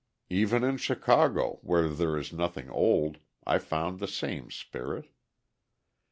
Even in Chicago, where there is nothing old, I found the same spirit.